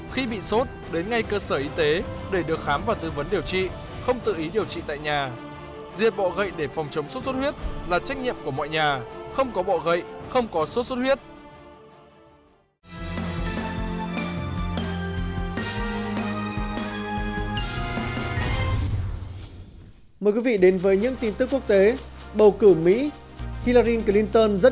khi bị sốt đến ngay cơ sở y tế để được khám và tư vấn điều trị không tự ý điều trị tại nhà